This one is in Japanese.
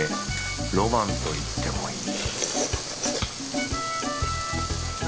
ロマンといってもいい